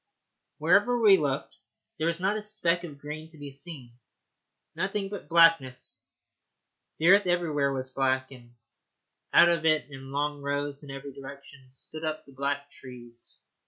Wherever we looked there was not a speck of green to be seen nothing but blackness. The earth everywhere was black, and out of it in long rows in every direction stood up the black trees.